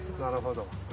なるほど。